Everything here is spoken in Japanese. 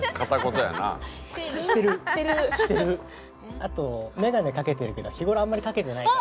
あとメガネかけてるけど日頃あんまりかけてないから。